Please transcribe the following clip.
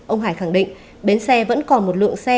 ông hải khẳng định bến xe vẫn còn một lượng xe